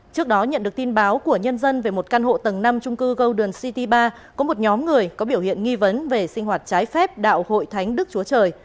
trước đó nhận được tin báo của nhân dân về một căn hộ tầng năm trung cư golden city ba có một nhóm người có biểu hiện nghi vấn về sinh hoạt trái phép đạo hội thánh đức chúa trời